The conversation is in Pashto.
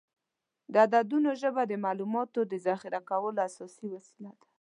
د عددونو ژبه د معلوماتو د ذخیره کولو اساسي وسیله ده.